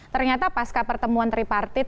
ternyata pasca pertemuan tripartit